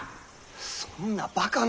そんなバカな。